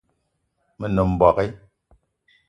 Me nem mbogue